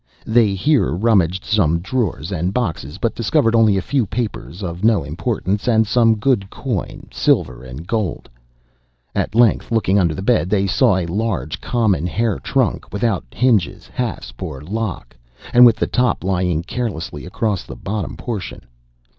They here rummaged some drawers and boxes, but discovered only a few papers, of no importance, and some good coin, silver and gold. At length, looking under the bed, they saw a large, common hair trunk, without hinges, hasp, or lock, and with the top lying carelessly across the bottom portion.